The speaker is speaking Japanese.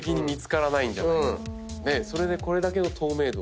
それでこれだけの透明度。